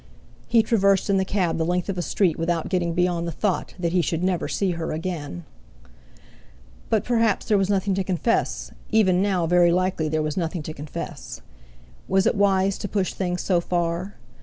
He traversed in the cab the length of a street without getting beyond the thought that he should never see her again! But perhaps there was nothing to confess, even now very likely there was nothing to confess. Was it wise to push things so far?